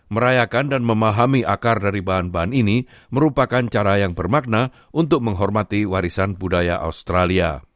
merayakan dan memahami akar dari bahan bahan ini merupakan cara yang bermakna untuk menghormati warisan budaya australia